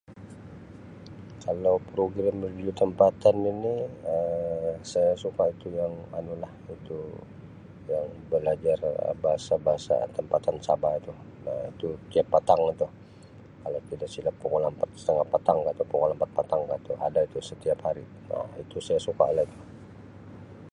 Kalau program radio tempatan ini Um saya suka itu yang anu lah itu yang belajar bahasa-bahasa tampatan Sabah itu Um itu tiap patang itu kalau tida silap pukul empat setengah petang ka itu pukul ampat petang ada tu setiap hari Um itu saya suka lah tu.